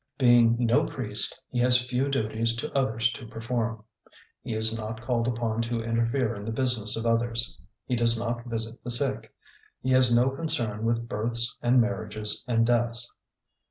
Being no priest, he has few duties to others to perform; he is not called upon to interfere in the business of others. He does not visit the sick; he has no concern with births and marriages and deaths.